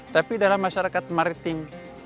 tapi dalam masyarakat maritim